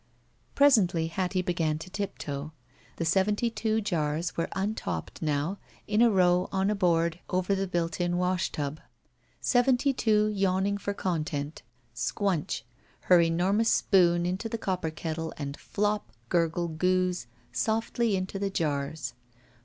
Presently Hattie began to tiptoe. The seventy two jars were tmtopped now, in a row on a board over tiie built THE SMUDGE in washtub. Seventy two yawning for content. Squnch ! Her enormous spoon into the copper kettle and flop, gurgle, gooze, softly into the jars.